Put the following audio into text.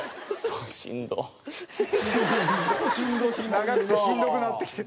長くてしんどくなってきてる。